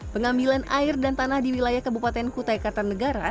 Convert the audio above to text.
pengambilan air dan tanah di wilayah kabupaten kutai kartanegara